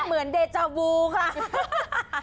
เหมือนเดจาวูค่ะ